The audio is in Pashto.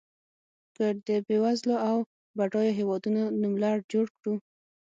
که د بېوزلو او بډایو هېوادونو نوملړ جوړ کړو.